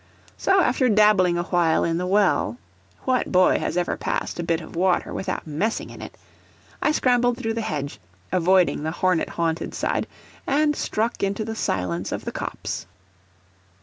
So, after dabbling awhile in the well what boy has ever passed a bit of water without messing in it? I scrambled through the hedge, avoiding the hornet haunted side, and struck into the silence of the copse.